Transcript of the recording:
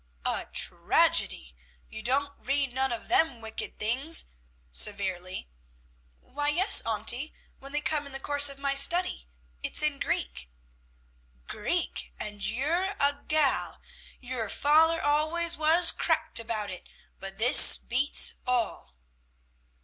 "A tragedy! you don't read none of them wicked things!" severely. "Why, yes, auntie, when they come in the course of my study. It's in Greek!" "Greek! and you're a gal! Your father allers was cracked about it, but this beats all!"